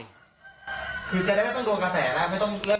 คือจะได้ไม่ต้องเลือกกระแสนะ